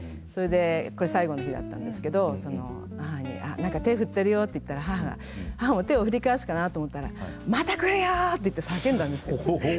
それでこれ最後の日だったんですけど母に何か手振ってるよって言ったら母が母も手を振り返すかなと思ったら「また来るよ！」って言って叫んだんですよ。